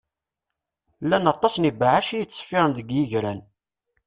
Llan aṭas n ibeɛɛac i yettṣeffiṛen deg yigran.